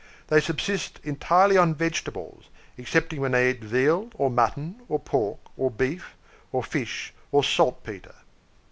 They subsist entirely on vegetables, excepting when they eat veal or mutton or pork or beef or fish or saltpetre.)